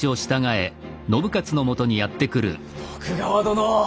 徳川殿！